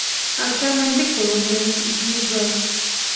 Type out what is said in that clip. Actualmente, Color Green Films y Kid Brothers of St.